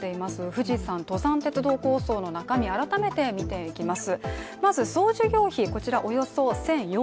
富士山登山鉄道構想の中身改めて見ていきます。